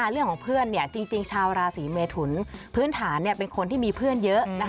เรื่องของเพื่อนจริงชาวราศีเมทุนพื้นฐานเป็นคนที่มีเพื่อนเยอะ